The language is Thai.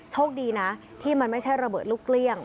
โชคดีนะที่มันไม่ใช่ระเบิดลูกเกลี้ยง